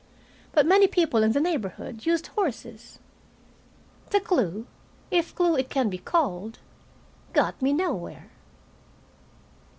But many people in the neighborhood used horses. The clue, if clue it can be called, got me nowhere.